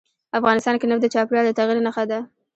افغانستان کې نفت د چاپېریال د تغیر نښه ده.